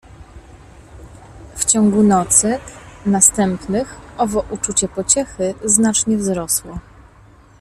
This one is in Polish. W ciągu nocy następnych owo uczucie pociechy znacznie wzrosło.